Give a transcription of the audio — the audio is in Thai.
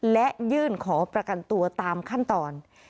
และยื่นขอประกันตัวตามขั้นตอน